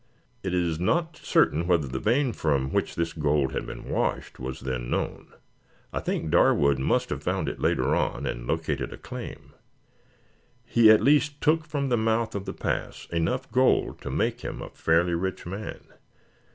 It is not certain whether the vein from which this gold had been washed was then known. I think Darwood must have found it later on and located a claim. He at least took from the mouth of the pass enough gold to make him a fairly rich man.